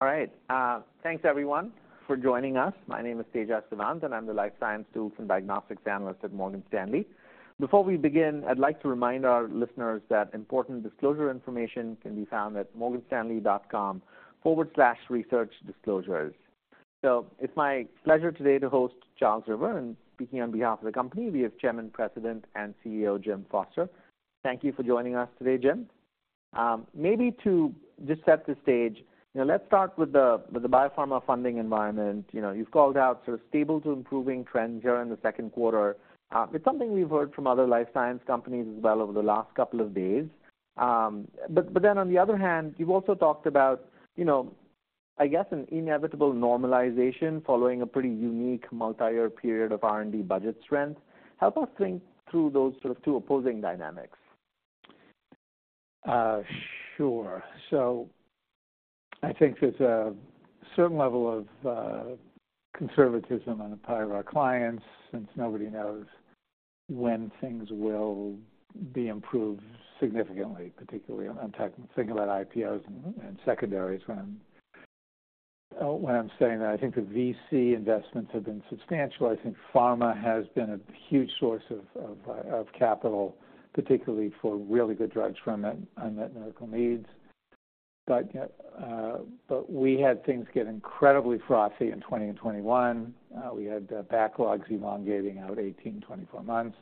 All right. Thanks everyone for joining us. My name is Tejas Savant, and I'm the life science tools and diagnostics analyst at Morgan Stanley. Before we begin, I'd like to remind our listeners that important disclosure information can be found at morganstanley.com/researchdisclosures. So it's my pleasure today to host Charles River, and speaking on behalf of the company, we have Chairman, President, and CEO, Jim Foster. Thank you for joining us today, Jim. Maybe to just set the stage, you know, let's start with the biopharma funding environment. You know, you've called out sort of stable to improving trends during the second quarter. It's something we've heard from other life science companies as well over the last couple of days. But, but then on the other hand, you've also talked about, you know, I guess an inevitable normalization following a pretty unique multi-year period of R&D budget strength. Help us think through those sort of two opposing dynamics. Sure. So I think there's a certain level of conservatism on the part of our clients, since nobody knows when things will be improved significantly, particularly I'm thinking about IPOs and secondaries. When I'm saying that, I think the VC investments have been substantial. I think pharma has been a huge source of capital, particularly for really good drugs from unmet medical needs. But we had things get incredibly frothy in 2020 and 2021. We had backlogs elongating out 18-24 months,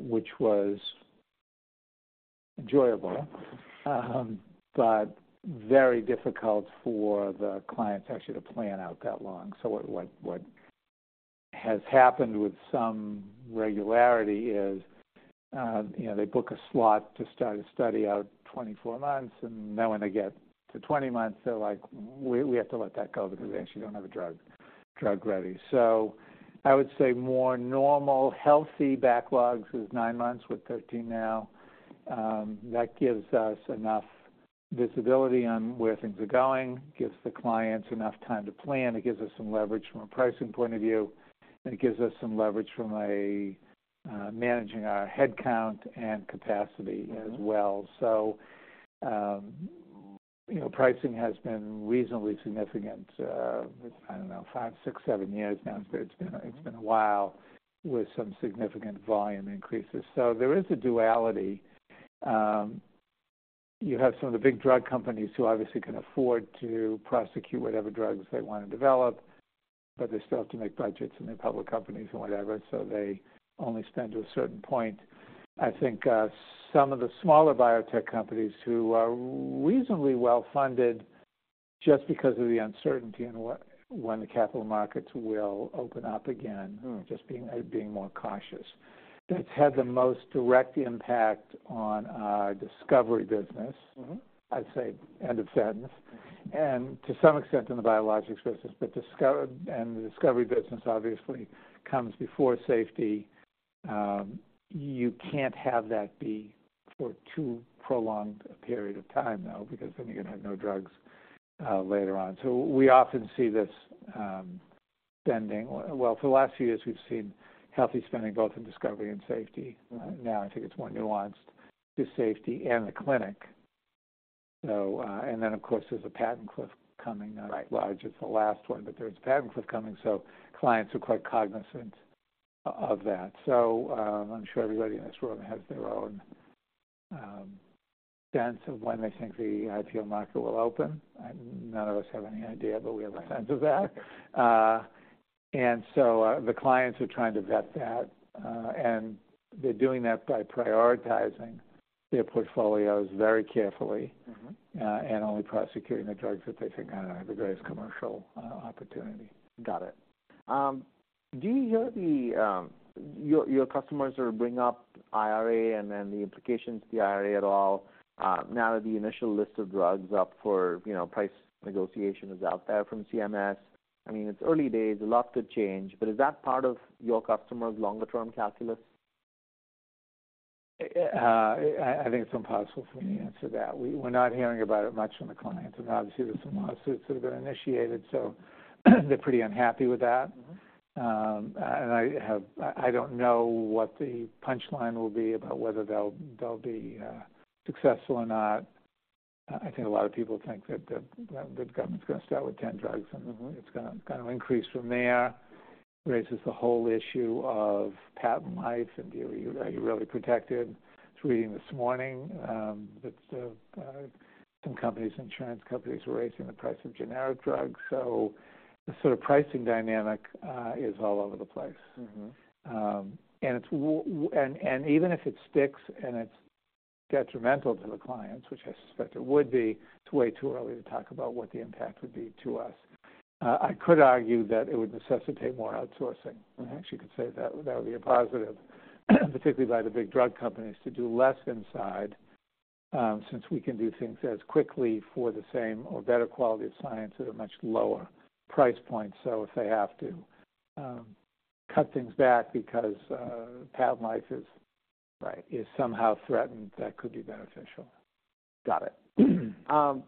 which was enjoyable, but very difficult for the clients actually to plan out that long. So what has happened with some regularity is, you know, they book a slot to start a study out 24 months, and then when they get to 20 months, they're like, "We have to let that go," because they actually don't have a drug ready. So I would say more normal, healthy backlogs is nine months, we're 13 now. That gives us enough visibility on where things are going, gives the clients enough time to plan, it gives us some leverage from a pricing point of view, and it gives us some leverage from a managing our headcount and capacity as well. Mm-hmm. So, you know, pricing has been reasonably significant, I don't know, five, six, seven years now. Mm-hmm. It's been a while with some significant volume increases. So there is a duality. You have some of the big drug companies who obviously can afford to prosecute whatever drugs they want to develop, but they still have to make budgets, and they're public companies and whatever, so they only spend to a certain point. I think some of the smaller biotech companies who are reasonably well funded, just because of the uncertainty in what - when the capital markets will open up again- Mm. Just being more cautious. It's had the most direct impact on our discovery business. Mm-hmm. I'd say, end of sentence. To some extent in the biologics business. The discovery business obviously comes before safety. You can't have that be for too prolonged a period of time, though, because then you're gonna have no drugs later on. So we often see this spending. Well, for the last few years, we've seen healthy spending, both in discovery and safety. Mm-hmm. Now, I think it's more nuanced to safety and the clinic. So, and then, of course, there's a patent cliff coming. Right. Not as large as the last one, but there's a patent cliff coming, so clients are quite cognizant of that. So, I'm sure everybody in this room has their own sense of when they think the IPO market will open. And none of us have any idea, but we have a sense of that. And so, the clients are trying to vet that, and they're doing that by prioritizing their portfolios very carefully- Mm-hmm.... and only prosecuting the drugs that they think have the greatest commercial opportunity. Got it. Do you hear your customers sort of bring up IRA and then the implications of the IRA at all, now that the initial list of drugs up for, you know, price negotiation is out there from CMS? I mean, it's early days, a lot could change, but is that part of your customers' longer-term calculus? I think it's impossible for me to answer that. We're not hearing about it much from the clients, and obviously there's some lawsuits that have been initiated, so they're pretty unhappy with that. Mm-hmm. And I have... I don't know what the punchline will be about whether they'll be successful or not. I think a lot of people think that the government's gonna start with 10 drugs, and then it's gonna kind of increase from there. Raises the whole issue of patent life, and are you really protected? I was reading this morning that some companies, insurance companies, were raising the price of generic drugs, so the sort of pricing dynamic is all over the place. Mm-hmm. And even if it sticks, and it's detrimental to the clients, which I suspect it would be, it's way too early to talk about what the impact would be to us. I could argue that it would necessitate more outsourcing, and I actually could say that that would be a positive, particularly by the big drug companies, to do less inside, since we can do things as quickly for the same or better quality of science at a much lower price point. So if they have to, cut things back because patent life is- Right.... is somehow threatened, that could be beneficial. Got it.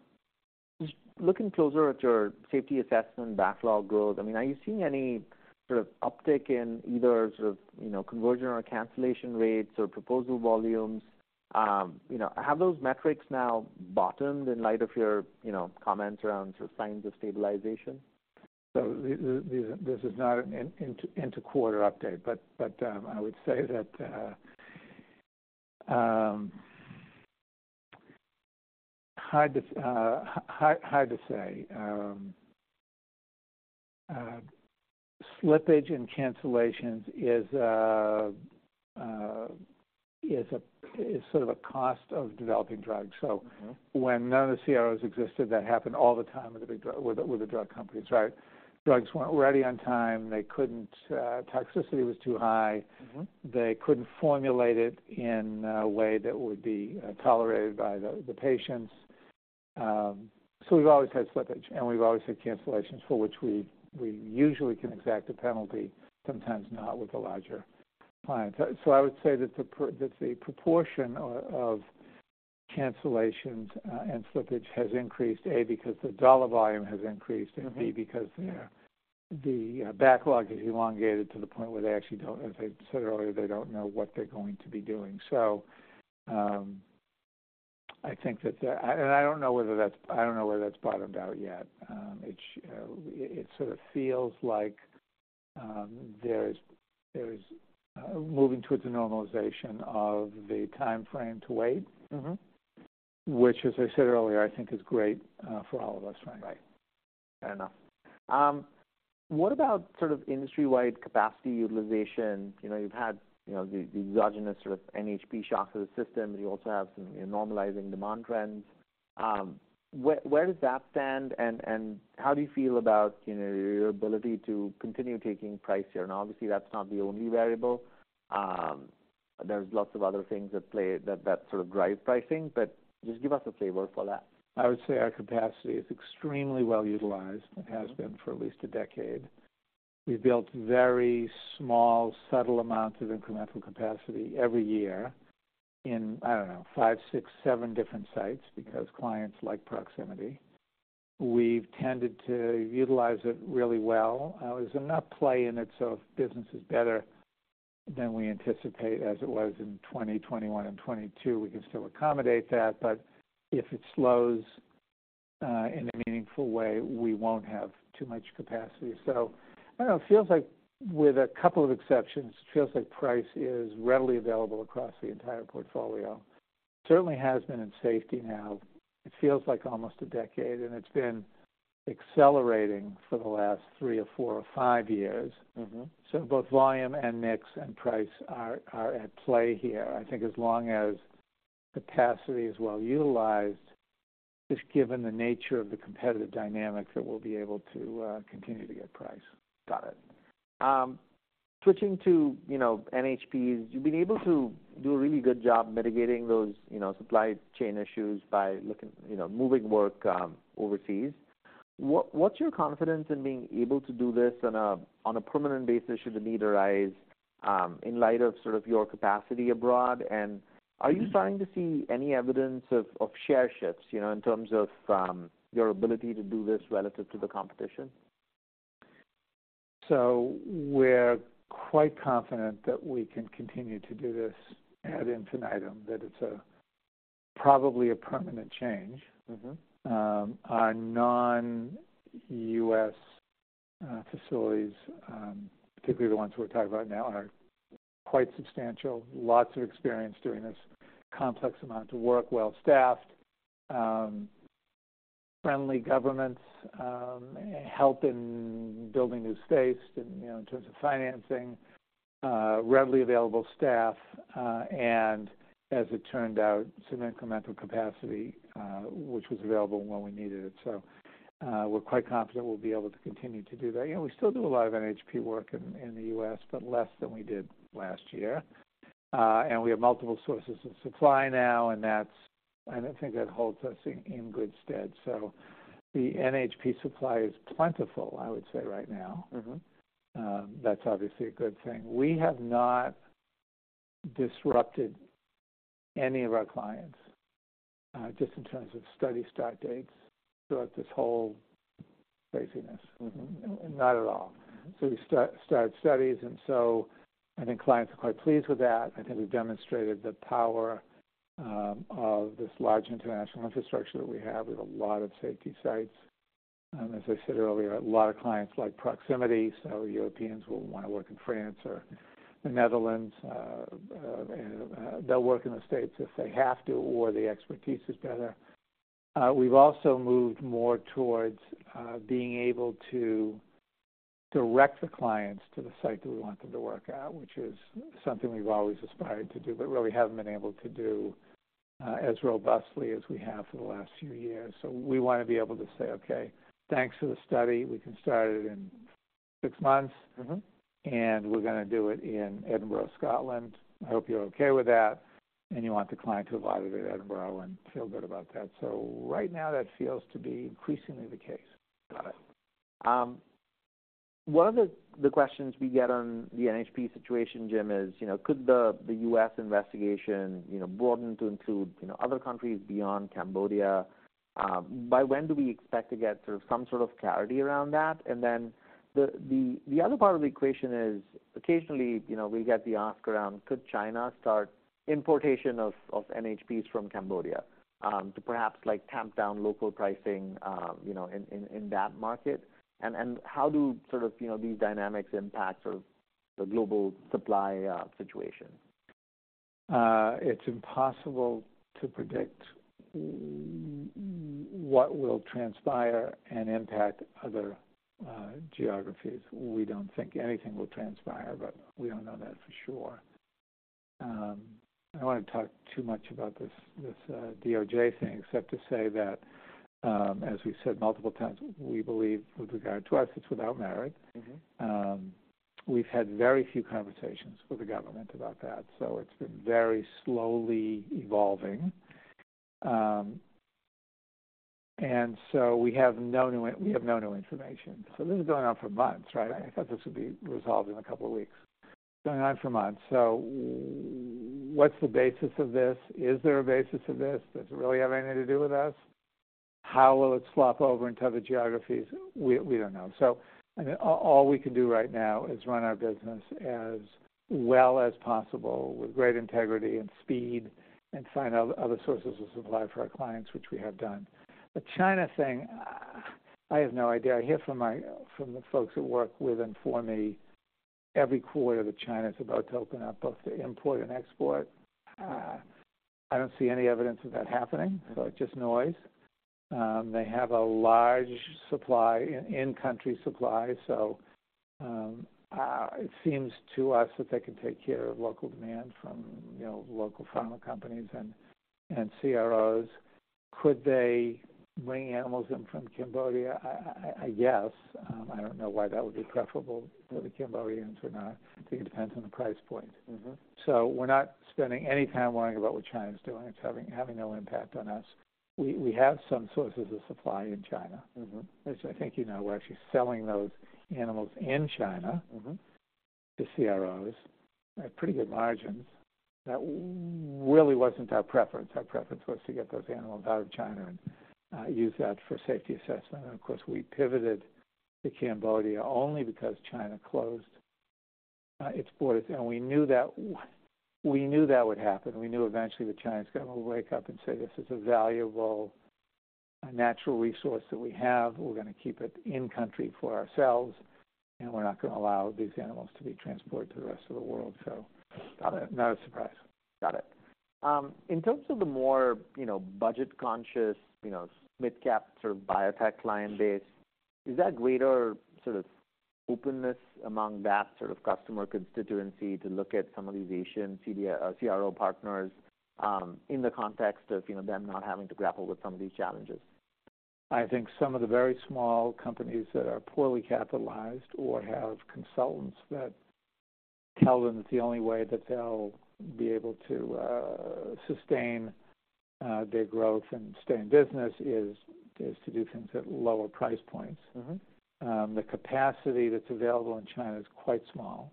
Just looking closer at your safety assessment backlog growth, I mean, are you seeing any sort of uptick in either sort of, you know, conversion or cancellation rates or proposal volumes? You know, have those metrics now bottomed in light of your, you know, comments around sort of signs of stabilization? So this is not an inter-quarter update, but, but, I would say that hard to say. Slippage and cancellations is a, is a, is sort of a cost of developing drugs. Mm-hmm. When none of the CROs existed, that happened all the time with the drug companies, right? Drugs weren't ready on time, they couldn't, toxicity was too high. Mm-hmm. They couldn't formulate it in a way that would be tolerated by the patients. So we've always had slippage, and we've always had cancellations, for which we usually can exact a penalty, sometimes not with the larger clients. So I would say that the proportion of cancellations and slippage has increased, because the dollar volume has increased- Mm-hmm.... and B, because Yeah.... the backlog is elongated to the point where they actually don't, as I said earlier, they don't know what they're going to be doing. So, I think that, and I don't know whether that's bottomed out yet. It sort of feels like, there's moving towards a normalization of the timeframe to wait. Mm-hmm. Which, as I said earlier, I think is great, for all of us, right? Right. Fair enough. What about sort of industry-wide capacity utilization? You know, you've had, you know, the, the exogenous sort of NHP shock to the system, but you also have some normalizing demand trends. Where, where does that stand, and, and how do you feel about, you know, your ability to continue taking price here? And obviously, that's not the only variable. There's lots of other things at play that, that sort of drive pricing, but just give us a flavor for that. I would say our capacity is extremely well utilized. Mm-hmm. It has been for at least a decade. We've built very small, subtle amounts of incremental capacity every year in, I don't know, five, six, seven different sites because clients like proximity. We've tended to utilize it really well. There's enough play in it, so if business is better than we anticipate, as it was in 2020, 2021 and 2022, we can still accommodate that. But if it slows, in a meaningful way, we won't have too much capacity. So I don't know, it feels like with a couple of exceptions, it feels like price is readily available across the entire portfolio. Certainly has been in safety now, it feels like almost a decade, and it's been accelerating for the last three or four or five years. Mm-hmm. So both volume and mix and price are at play here. I think as long as capacity is well utilized, just given the nature of the competitive dynamics, that we'll be able to continue to get price. Got it. Switching to, you know, NHPs, you've been able to do a really good job mitigating those, you know, supply chain issues by looking, you know, moving work overseas. What, what's your confidence in being able to do this on a, on a permanent basis, should the need arise, in light of sort of your capacity abroad? And- Mm-hmm.... are you starting to see any evidence of share shifts, you know, in terms of, your ability to do this relative to the competition? We're quite confident that we can continue to do this ad infinitum, that it's a probably a permanent change. Mm-hmm. Our non-U.S. facilities, particularly the ones we're talking about now, are quite substantial. Lots of experience doing this complex amount of work, well-staffed, friendly governments, help in building new space, you know, in terms of financing, readily available staff, and as it turned out, some incremental capacity, which was available when we needed it. So, we're quite confident we'll be able to continue to do that. You know, we still do a lot of NHP work in the U.S., but less than we did last year. And we have multiple sources of supply now, and that's, I think that holds us in good stead. So the NHP supply is plentiful, I would say, right now. Mm-hmm. That's obviously a good thing. We have not disrupted any of our clients, just in terms of study start dates throughout this whole craziness. Mm-hmm. Not at all. Mm-hmm. So we start, started studies, and so I think clients are quite pleased with that. I think we've demonstrated the power of this large international infrastructure that we have, with a lot of safety sites. And as I said earlier, a lot of clients like proximity, so Europeans will want to work in France or the Netherlands. They'll work in the States if they have to, or the expertise is better. We've also moved more towards being able to direct the clients to the site that we want them to work at, which is something we've always aspired to do, but really haven't been able to do as robustly as we have for the last few years. So we want to be able to say, "Okay, thanks for the study. We can start it in six months. Mm-hmm. And we're gonna do it in Edinburgh, Scotland. I hope you're okay with that." And you want the client to have audited Edinburgh and feel good about that. So right now, that feels to be increasingly the case. Got it. One of the, the questions we get on the NHP situation, Jim, is, you know, could the, the U.S. investigation, you know, broaden to include, you know, other countries beyond Cambodia? By when do we expect to get sort of some sort of clarity around that? And then the, the, the other part of the equation is occasionally, you know, we get the ask around, could China start importation of, of NHPs from Cambodia, to perhaps, like, tamp down local pricing, you know, in, in, in that market? And, and how do sort of, you know, these dynamics impact sort of the global supply, situation? It's impossible to predict what will transpire and impact other geographies. We don't think anything will transpire, but we don't know that for sure. I don't wanna talk too much about this DOJ thing, except to say that, as we've said multiple times, we believe with regard to us, it's without merit. Mm-hmm. We've had very few conversations with the government about that, so it's been very slowly evolving. And so we have no new information. So this has been going on for months, right? I thought this would be resolved in a couple of weeks. It's been going on for months, so what's the basis of this? Is there a basis of this? Does it really have anything to do with us? How will it slop over into other geographies? We don't know. So I mean, all we can do right now is run our business as well as possible with great integrity and speed and find out other sources of supply for our clients, which we have done. The China thing, I have no idea. I hear from the folks who work with and for me every quarter, that China's about to open up both the import and export. I don't see any evidence of that happening, so it's just noise. They have a large supply, an in-country supply, so it seems to us that they can take care of local demand from, you know, local pharma companies and CROs. Could they bring animals in from Cambodia? I guess. I don't know why that would be preferable to the Cambodians or not. I think it depends on the price point. Mm-hmm. We're not spending any time worrying about what China's doing. It's having no impact on us. We have some sources of supply in China. Mm-hmm. As I think you know, we're actually selling those animals in China. Mm-hmm.... to CROs at pretty good margins. That really wasn't our preference. Our preference was to get those animals out of China and use that for safety assessment. And of course, we pivoted to Cambodia only because China closed its borders, and we knew that, we knew that would happen. We knew eventually that China's gonna wake up and say, "This is a valuable natural resource that we have. We're gonna keep it in country for ourselves, and we're not gonna allow these animals to be transported to the rest of the world." So not a surprise. Got it. In terms of the more, you know, budget-conscious, you know, mid-cap sort of biotech client base, is there greater sort of openness among that sort of customer constituency to look at some of these Asian CRO partners, in the context of, you know, them not having to grapple with some of these challenges? I think some of the very small companies that are poorly capitalized or have consultants that tell them that the only way that they'll be able to sustain their growth and stay in business is to do things at lower price points. Mm-hmm. The capacity that's available in China is quite small,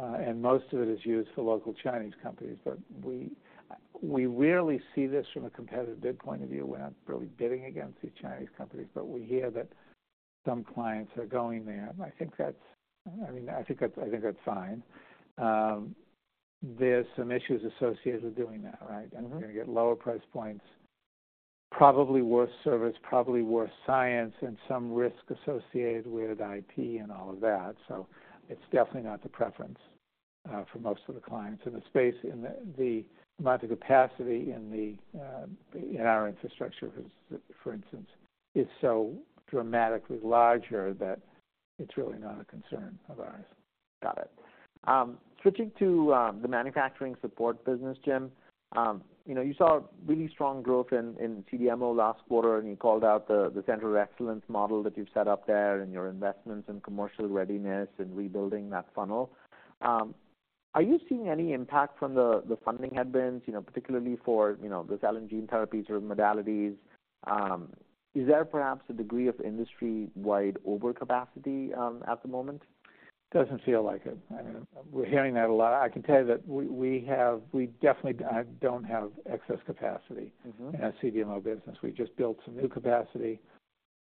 and most of it is used for local Chinese companies. But we rarely see this from a competitive bid point of view. We're not really bidding against these Chinese companies, but we hear that some clients are going there, and I think that's... I mean, I think that's fine. There's some issues associated with doing that, right? Mm-hmm. You're gonna get lower price points, probably worse service, probably worse science, and some risk associated with IP and all of that. It's definitely not the preference for most of the clients in the space. The amount of capacity in our infrastructure, for instance, is so dramatically larger that it's really not a concern of ours. Got it. Switching to the manufacturing support business, Jim. You know, you saw really strong growth in CDMO last quarter, and you called out the Center of Excellence model that you've set up there and your investments in commercial readiness and rebuilding that funnel. Are you seeing any impact from the funding headwinds, you know, particularly for the cell and gene therapy sort of modalities? Is there perhaps a degree of industry-wide overcapacity at the moment? Doesn't feel like it. I mean, we're hearing that a lot. I can tell you that we definitely don't have excess capacity- Mm-hmm.... in our CDMO business. We just built some new capacity.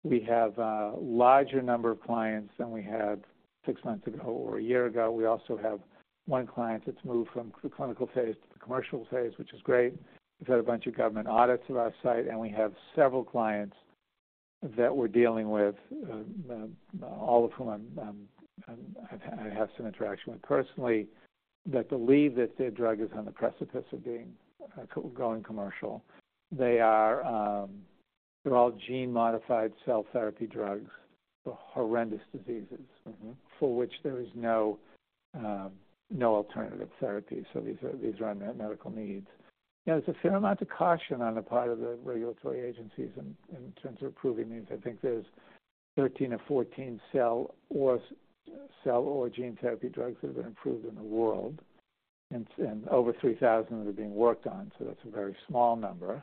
We have a larger number of clients than we had six months ago or a year ago. We also have one client that's moved from the clinical phase to the commercial phase, which is great. We've had a bunch of government audits of our site, and we have several clients that we're dealing with, all of whom I have some interaction with personally, that believe that their drug is on the precipice of being going commercial. They are, they're all gene-modified cell therapy drugs for horrendous diseases- Mm-hmm.... for which there is no alternative therapy, so these are medical needs. There's a fair amount of caution on the part of the regulatory agencies in terms of approving these. I think there's 13 or 14 cell or gene therapy drugs that have been approved in the world, and over 3,000 are being worked on, so that's a very small number.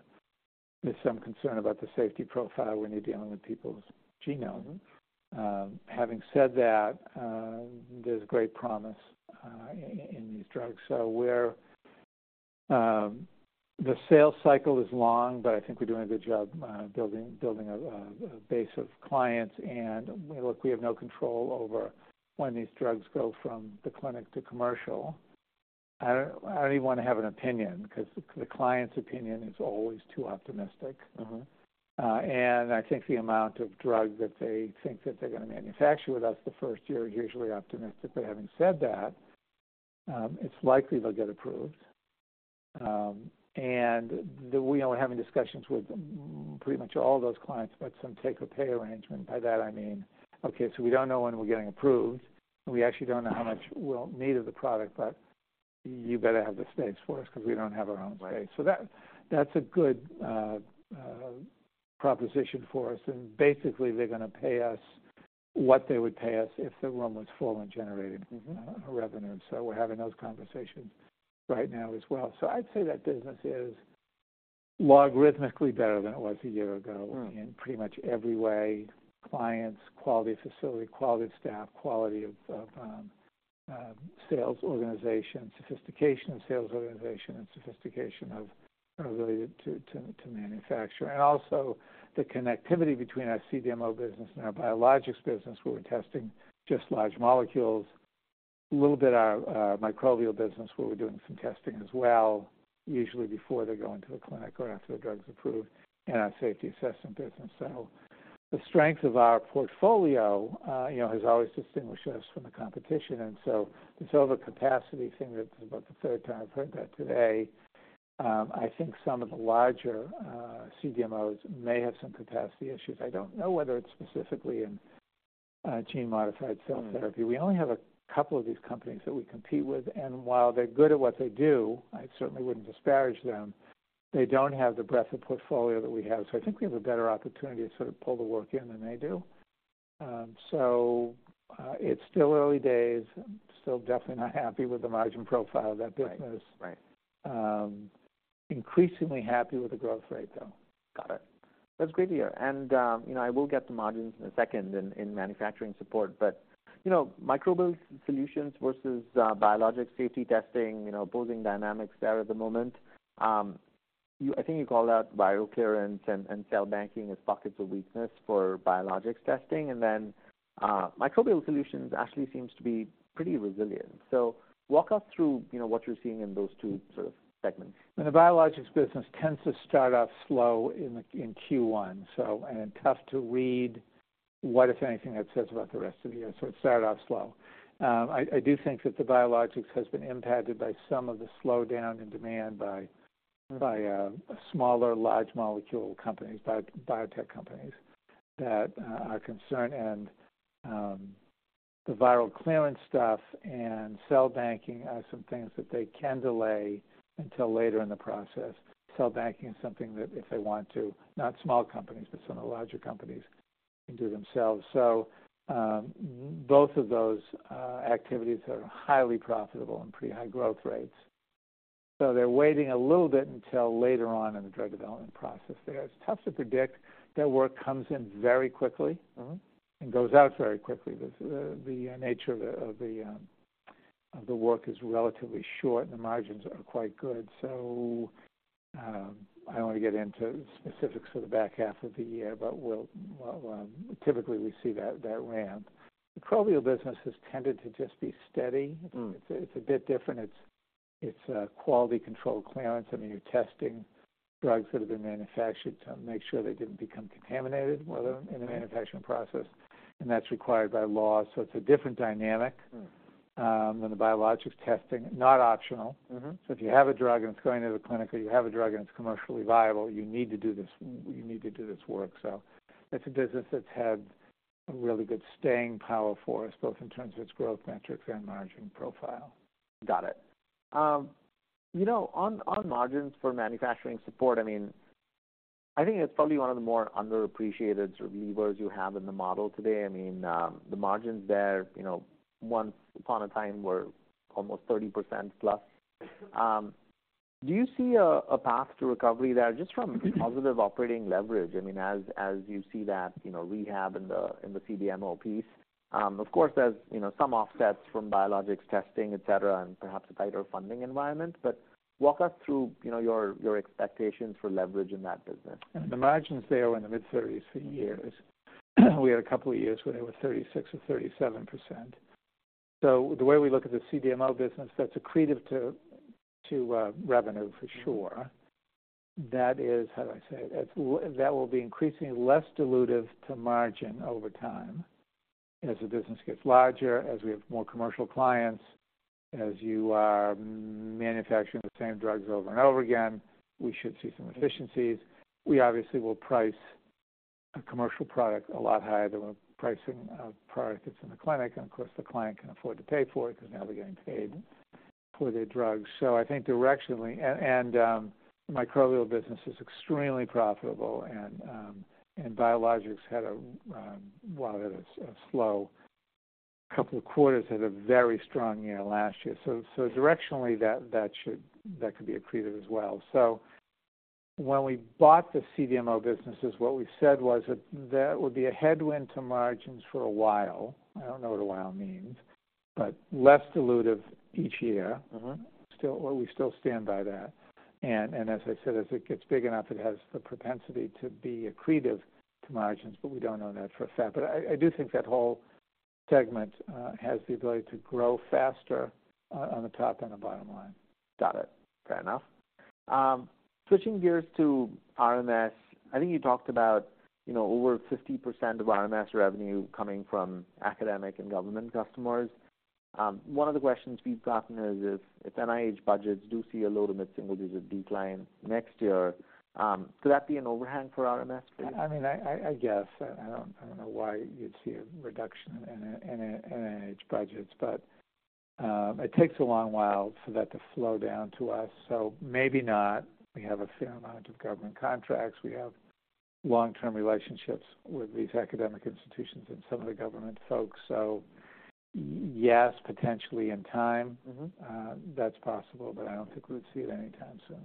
There's some concern about the safety profile when you're dealing with people's genomes. Having said that, there's great promise in these drugs. So the sales cycle is long, but I think we're doing a good job building a base of clients. And look, we have no control over when these drugs go from the clinic to commercial. I don't even want to have an opinion because the client's opinion is always too optimistic. Mm-hmm. And I think the amount of drug that they think that they're gonna manufacture with us the first year is usually optimistic. But having said that, it's likely they'll get approved. And we are having discussions with pretty much all those clients, but some take-or-pay arrangement. By that I mean, okay, so we don't know when we're getting approved, and we actually don't know how much we'll need of the product, but you better have the space for us because we don't have our own space. Right. So that, that's a good proposition for us. And basically, they're gonna pay us what they would pay us if the room was full and generating- Mm-hmm... a revenue. We're having those conversations right now as well. I'd say that business is logarithmically better than it was a year ago- Mm - in pretty much every way: clients, quality of facility, quality of staff, quality of sales organization, sophistication of sales organization, and sophistication of manufacturing. And also the connectivity between our CDMO business and our biologics business, where we're testing just large molecules, a little bit of our microbial business, where we're doing some testing as well, usually before they go into a clinic or after a drug's approved, and our safety assessment business. So the strength of our portfolio, you know, has always distinguished us from the competition. And so this overcapacity thing, that's about the third time I've heard that today. I think some of the larger CDMOs may have some capacity issues. I don't know whether it's specifically in gene-modified cell therapy. Mm. We only have a couple of these companies that we compete with, and while they're good at what they do, I certainly wouldn't disparage them; they don't have the breadth of portfolio that we have. So I think we have a better opportunity to sort of pull the work in than they do. It's still early days. Still definitely not happy with the margin profile of that business. Right. Right. Increasingly happy with the growth rate, though. Got it. That's great to hear. And, you know, I will get to margins in a second in manufacturing support, but, you know, Microbial Solutions versus, biologics safety testing, you know, opposing dynamics there at the moment. You - I think you called out viral clearance and cell banking as pockets of weakness for biologics testing, and then, Microbial Solutions actually seems to be pretty resilient. So walk us through, you know, what you're seeing in those two sort of segments. The Biologics business tends to start off slow in Q1, so and tough to read what, if anything, that says about the rest of the year. So it started off slow. I do think that the Biologics has been impacted by some of the slowdown in demand by- Mm.... by smaller large molecule companies, by biotech companies, that are concerned. And, the Viral Clearance stuff and Cell Banking are some things that they can delay until later in the process. Cell Banking is something that if they want to, not small companies, but some of the larger companies, can do themselves. So, both of those activities are highly profitable and pretty high growth rates. So they're waiting a little bit until later on in the drug development process there. It's tough to predict. Their work comes in very quickly- Mm-hmm.... and goes out very quickly. The nature of the work is relatively short, and the margins are quite good. So, I don't want to get into specifics for the back half of the year, but we'll, well, typically, we see that ramp. The microbial business has tended to just be steady. Mm. It's a bit different. It's quality control clearance. I mean, you're testing drugs that have been manufactured to make sure they didn't become contaminated while they're in the manufacturing process, and that's required by law. So it's a different dynamic- Mm.... than the Biologics Testing. Not optional. Mm-hmm. So if you have a drug, and it's going into the clinic, or you have a drug and it's commercially viable, you need to do this, you need to do this work. So it's a business that's had a really good staying power for us, both in terms of its growth metrics and margin profile. Got it. You know, on margins for manufacturing support, I mean, I think it's probably one of the more underappreciated sort of levers you have in the model today. I mean, the margins there, you know, once upon a time, were almost 30% plus. Do you see a path to recovery there, just from positive operating leverage? I mean, as you see that, you know, rehab in the CDMO piece, of course, there's, you know, some offsets from biologics testing, et cetera, and perhaps a tighter funding environment. But walk us through, you know, your expectations for leverage in that business. The margins there were in the mid-30s for years. We had a couple of years where they were 36% or 37%. So the way we look at the CDMO business, that's accretive to revenue, for sure. Mm-hmm. That is, how do I say it? That's that will be increasingly less dilutive to margin over time. As the business gets larger, as we have more commercial clients, as you are manufacturing the same drugs over and over again, we should see some efficiencies. We obviously will price a commercial product a lot higher than we're pricing a product that's in the clinic. And of course, the client can afford to pay for it because now they're getting paid for their drugs. So I think directionally, and microbial business is extremely profitable, and biologics had a while it is a slow couple of quarters, had a very strong year last year. So directionally, that should, that could be accretive as well. When we bought the CDMO businesses, what we said was that would be a headwind to margins for a while. I don't know what a while means, but less dilutive each year. Mm-hmm. Well, we still stand by that. And as I said, as it gets big enough, it has the propensity to be accretive to margins, but we don't know that for a fact. But I do think that whole segment has the ability to grow faster on the top and the bottom line. Got it. Fair enough. Switching gears to RMS, I think you talked about, you know, over 50% of RMS revenue coming from academic and government customers. One of the questions we've gotten is, if NIH budgets do see a low- to mid-single-digit decline next year, could that be an overhang for RMS please? I mean, I guess. I don't know why you'd see a reduction in NIH budgets, but it takes a long while for that to flow down to us, so maybe not. We have a fair amount of government contracts. We have long-term relationships with these academic institutions and some of the government folks. So yes, potentially in time. Mm-hmm. That's possible, but I don't think we'd see it anytime soon.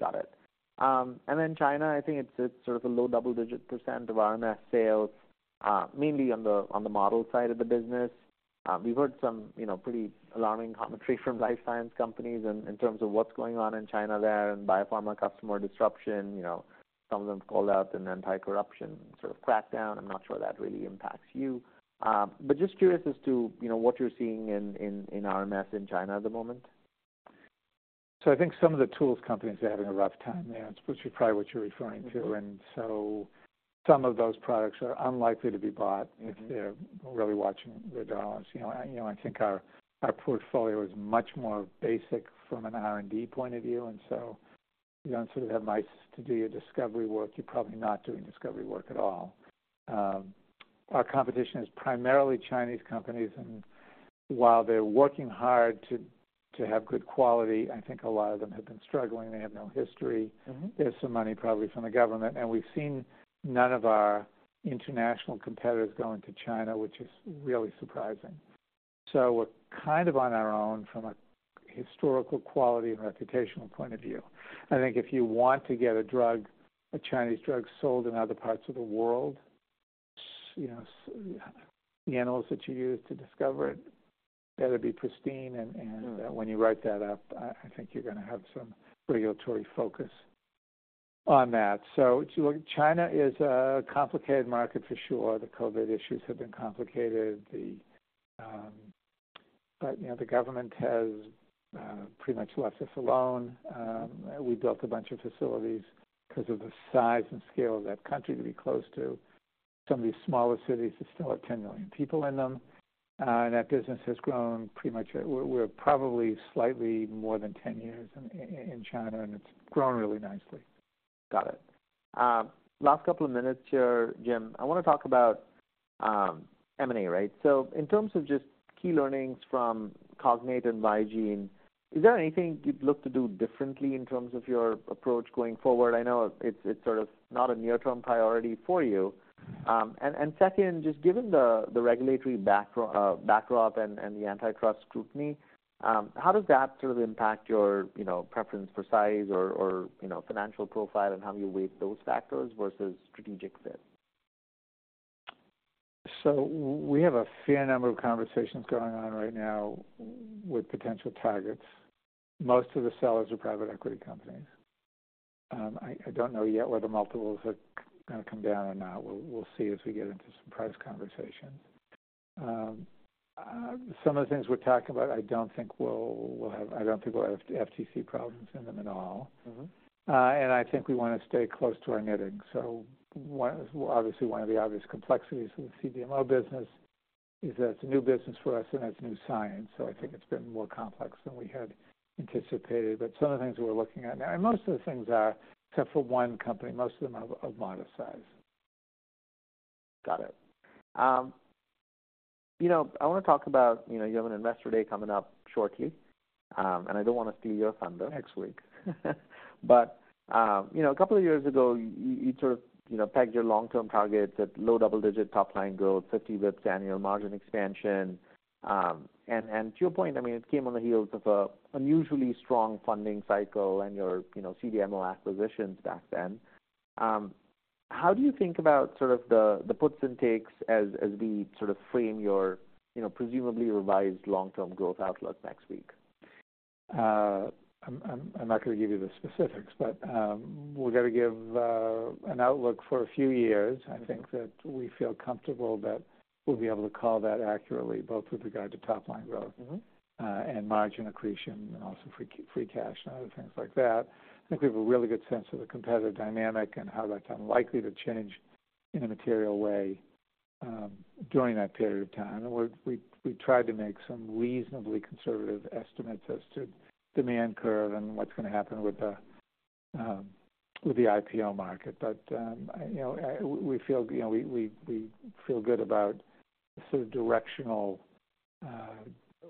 Got it. And then China, I think it's sort of a low double-digit % of RMS sales, mainly on the, on the model side of the business. We've heard some, you know, pretty alarming commentary from life science companies in terms of what's going on in China there, and biopharma customer disruption. You know, some of them called out an anti-corruption sort of crackdown. I'm not sure that really impacts you. But just curious as to, you know, what you're seeing in RMS in China at the moment. I think some of the tools companies are having a rough time there, which is probably what you're referring to. Mm-hmm. Some of those products are unlikely to be bought- Mm-hmm.... if they're really watching their dollars. You know, you know, I think our portfolio is much more basic from an R&D point of view, and so you don't sort of have mice to do your discovery work. You're probably not doing discovery work at all. Our competition is primarily Chinese companies, and while they're working hard to have good quality, I think a lot of them have been struggling. They have no history. Mm-hmm. There's some money, probably from the government, and we've seen none of our international competitors going to China, which is really surprising. So we're kind of on our own from a historical quality and reputational point of view. I think if you want to get a drug, a Chinese drug, sold in other parts of the world, you know, the animals that you use to discover it, better be pristine. Mm-hmm. When you write that up, I think you're gonna have some regulatory focus on that. China is a complicated market for sure. The COVID issues have been complicated. But, you know, the government has pretty much left us alone. We built a bunch of facilities 'cause of the size and scale of that country to be close to some of these smaller cities that still have 10 million people in them. And that business has grown pretty much. We're probably slightly more than 10 years in in China, and it's grown really nicely. Got it. Last couple of minutes here, Jim. I wanna talk about, M&A, right? So in terms of just key learnings from Cognate and Vigene, is there anything you'd look to do differently in terms of your approach going forward? I know it's sort of not a near-term priority for you. And second, just given the regulatory backdrop and the antitrust scrutiny, how does that sort of impact your, you know, preference for size or, you know, financial profile, and how do you weigh those factors versus strategic fit? So we have a fair number of conversations going on right now with potential targets. Most of the sellers are private equity companies. I don't know yet whether multiples are gonna come down or not. We'll see as we get into some price conversations. Some of the things we're talking about, I don't think we'll have FTC problems in them at all. Mm-hmm. And I think we wanna stay close to our knitting. So one, obviously, one of the obvious complexities in the CDMO business is that it's a new business for us, and it's new science, so I think it's been more complex than we had anticipated. But some of the things we're looking at now, and most of the things are, except for one company, most of them are of modest size. Got it. You know, I wanna talk about, you know, you have an Investor Day coming up shortly, and I don't wanna steal your thunder. Next week. But, you know, a couple of years ago, you sort of, you know, pegged your long-term targets at low double-digit topline growth, 50 basis points annual margin expansion. And to your point, I mean, it came on the heels of an unusually strong funding cycle and your, you know, CDMO acquisitions back then. How do you think about sort of the puts and takes as we sort of frame your, you know, presumably revised long-term growth outlook next week? I'm not gonna give you the specifics, but we're gonna give an outlook for a few years. I think that we feel comfortable that we'll be able to call that accurately, both with regard to top-line growth- Mm-hmm.... and margin accretion, and also free cash, and other things like that. I think we have a really good sense of the competitive dynamic and how that's unlikely to change in a material way, during that period of time. And we tried to make some reasonably conservative estimates as to demand curve and what's gonna happen with the IPO market. But, you know, we feel, you know, we feel good about the sort of directional,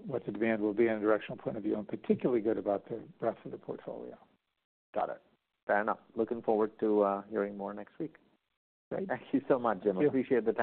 what the demand will be in a directional point of view, and particularly good about the rest of the portfolio. Got it. Fair enough. Looking forward to hearing more next week. Great. Thank you so much, Jim. Sure. Appreciate the time.